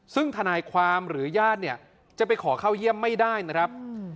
ซึ่งทนายความหรือญาติเนี่ยจะไปขอเข้าเยี่ยมไม่ได้นะครับ